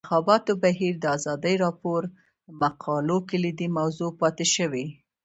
د انتخاباتو بهیر د ازادي راډیو د مقالو کلیدي موضوع پاتې شوی.